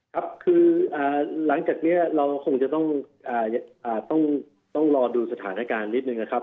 ครับคือหลังจากนี้เราคงจะต้องรอดูสถานการณ์นิดนึงนะครับ